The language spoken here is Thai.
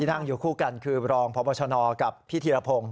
นั่งอยู่คู่กันคือรองพบชนกับพี่ธีรพงศ์